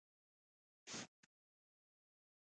محسن سر وښوراوه هغه پنجابى و.